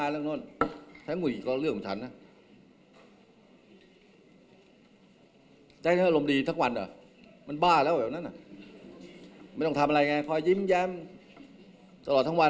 ไม่ห่วงจะห่วงอะไรเล่า